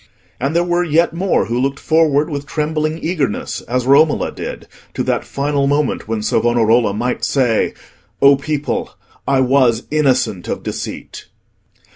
And there were yet more who looked forward with trembling eagerness, as Romola did, to that final moment when Savonarola might say, "O people, I was innocent of deceit."